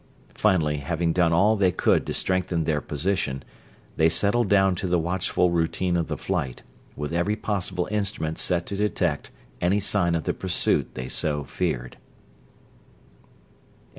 Finally, having done all they could do to strengthen their position, they settled down to the watchful routine of the flight, with every possible instrument set to detect any sign of the pursuit they so feared.